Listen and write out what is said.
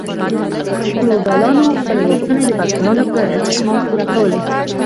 فیوډالانو خپلې غوښتنې د بزګرانو په استثمار پوره کولې.